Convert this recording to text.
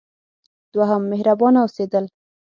دوهم: مهربانه اوسیدل.